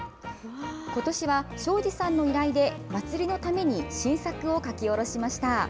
ことしは庄司さんの依頼でまつりのために新作を書き下ろしました。